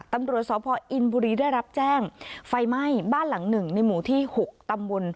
ตำรวจสพอินบุรีได้รับแจ้งไฟไหม้บ้านหลังหนึ่งในหมู่ที่๖ตำบล